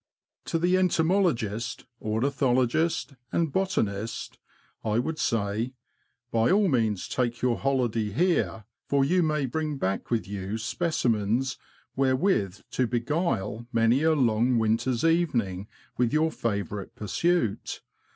To the entomologist, ornithologist, and botaniet, I INTRODUCTORY. would say, *' By all means take your holiday here, for you may bring back with you specimens wherewith to beguile many a long winter's evening with your favourite pursuit.